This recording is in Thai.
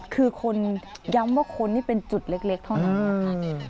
คือคนย้ำว่าคนนี่เป็นจุดเล็กเท่านั้นนะคะ